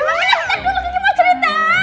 bentar dulu kiki mau cerita